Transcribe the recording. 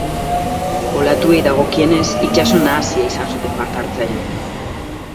Olatuei dagokienez, itsaso nahasia izan zuten parte hartzaileek.